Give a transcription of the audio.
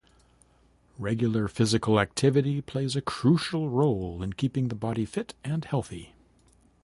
Regular physical activity plays a crucial role in keeping the body fit and healthy.